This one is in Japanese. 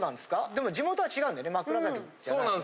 でも地元は違うんだよね、枕崎じゃない。